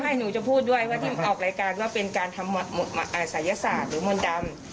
ใช่หนูจะพูดด้วยว่าที่ออกรายการว่าเป็นการทำศัยศาสตร์หรือมนต์ดำ